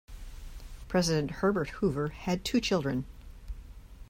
President Herbert Hoover had two children.